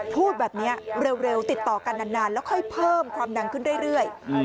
พูดแบบนี้เร็วติดต่อกันนานแล้วค่อยเพิ่มความดังขึ้นเรื่อย